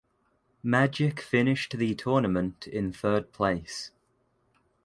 Magic finished the tournament in third place.